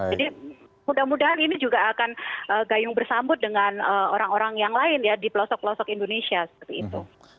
mudah mudahan ini juga akan gayung bersambut dengan orang orang yang lain ya di pelosok pelosok indonesia seperti itu